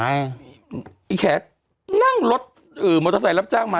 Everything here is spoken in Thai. ไอ้แขนั่งรถมอเตอร์ไซค์รับจ้างมา